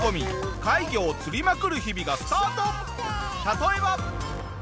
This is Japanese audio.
例えば。